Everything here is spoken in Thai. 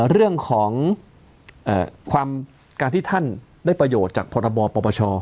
เรื่องของการที่ท่านได้ประโยชน์จากพรบปปช